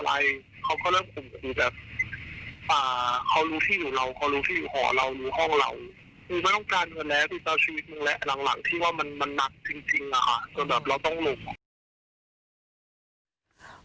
คุณจะให้เราผิดชอบอะไรเขาเริ่มคุมกับคุณแบบเขารู้ที่อยู่เราเขารู้ที่อยู่ห่อเราหรือห้องเราคุณไม่ต้องการกันแล้วคุณต้องการชีวิตมึงและหลังที่ว่ามันนักจริงอ่ะก็แบบเราต้องหลุม